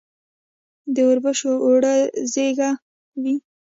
د اوربشو اوړه زیږه وي.